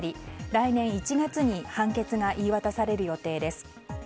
来年１月に判決が言い渡される予定です。